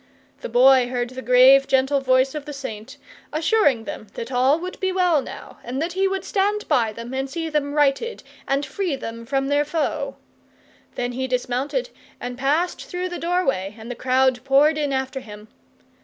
The Boy heard the grave gentle voice of the Saint, assuring them that all would be well now, and that he would stand by them and see them righted and free them from their foe; then he dismounted and passed through the doorway and the crowd poured in after him.